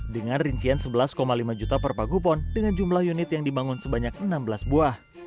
dengan rincian sebelas lima juta per pagupon dengan jumlah unit yang dibangun sebanyak enam belas buah